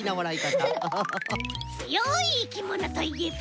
つよいいきものといえば。